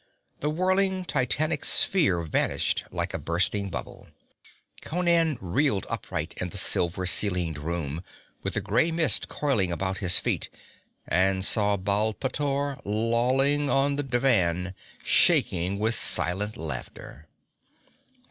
The whirling, titanic sphere vanished like a bursting bubble. Conan reeled upright in the silver ceilinged room, with a gray mist coiling about his feet, and saw Baal pteor lolling on the divan, shaking with silent laughter.